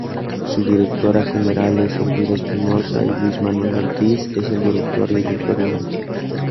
Su Directora General es Elvira Espinoza, y Luis Manuel Ortiz es el Director Editorial.